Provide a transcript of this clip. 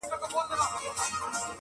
له دې رازه مي خبر که دیار زړه خو-